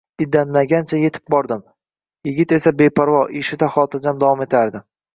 Ildamlagancha yetib bordim. Yigit esa beparvo, ishida xotirjam davom etardi.